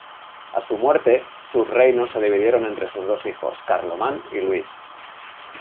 A su muerte, sus reinos se dividieron entre sus dos hijos, Carlomán y Luis.